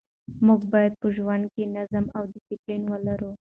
موږ باید په ژوند کې نظم او ډسپلین ولرو.